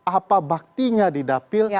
apa baktinya di dapil